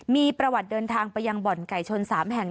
มีประวัติเดินทางไปยังบ่อนไก่ชน๓แห่ง